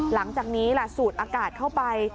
หลังจากนี้ล่ะสูดอากาศเข้าไป